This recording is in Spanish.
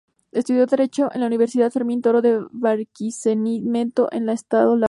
Estudió derecho en la Universidad Fermín Toro de Barquisimeto en el estado Lara.